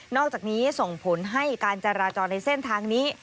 อกจากนี้ส่งผลให้การจราจรในเส้นทางนี้